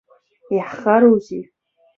Иаҳхарозеи.